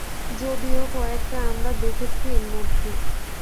যদিও কয়েকটা আমরা দেখেছি এরমধ্যে।